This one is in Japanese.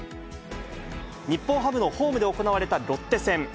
日本ハムのホームで行われたロッテ戦。